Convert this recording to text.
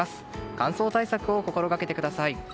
乾燥対策を心掛けてください。